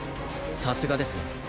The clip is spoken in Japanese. さすがですね